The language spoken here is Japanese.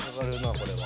これは。